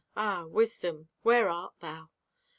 Ah, wisdom, where art thou?